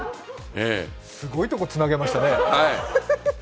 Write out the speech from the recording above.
すごいとこ、つなげましたね